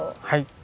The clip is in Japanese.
はい。